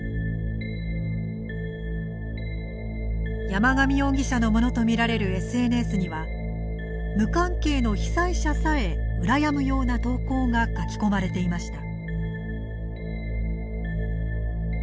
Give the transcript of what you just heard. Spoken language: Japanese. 山上容疑者のものとみられるＳＮＳには無関係の被災者さえ羨むような投稿が書き込まれていました。